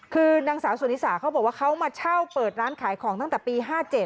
คือนางสาวสุนิสาเขาบอกว่าเขามาเช่าเปิดร้านขายของตั้งแต่ปี๕๗